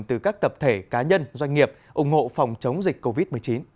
từ các tập thể cá nhân doanh nghiệp ủng hộ phòng chống dịch covid một mươi chín